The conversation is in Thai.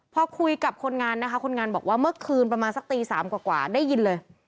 พอคุยกับคนงานนะคะคนงานบอกว่าเมื่อคืนประมาณสักตี๓กว่าได้ยินเลย